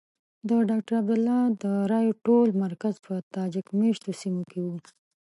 د ډاکټر عبدالله د رایو ټول مرکز په تاجک مېشتو سیمو کې وو.